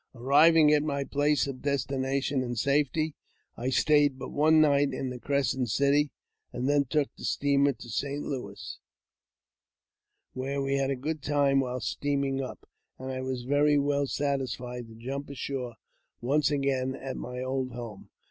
Arriving at my place of destination in safety, I stayed but one night in the " Crescent City," and then took the steamer to St. Louis, where we had a good time while JAMES P. BECKWOUBTH. 349 steaming up, and I was very well satisfied to jump ashore once again at my old home.